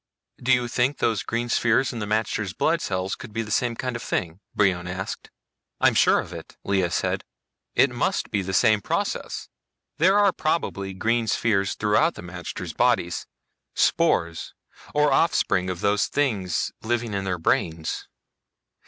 "Do you think those green spheres in the magter's blood cells could be the same kind of thing?" Brion asked. "I'm sure of it," Lea said. "It must be the same process. There are probably green spheres throughout the magters' bodies, spores or offspring of those things in their brains.